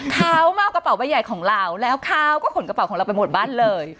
เขามาเอากระเป๋าใบใหญ่ของเราแล้วเขาก็ขนกระเป๋าของเราไปหมดบ้านเลย